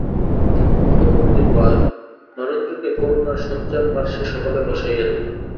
হতবুদ্ধিপ্রায় নরেন্দ্রকে করুণার শয্যার পার্শ্বে সকলে বসাইয়া দিল।